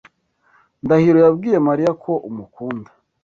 Ndahiro yabwiye Mariya ko umukunda.